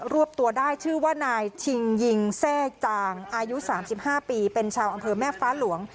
วบตัวได้ชื่อว่านายชิงยิงแทรกจางอายุ๓๕ปีเป็นชาวอำเภอแม่ฟ้าหลวง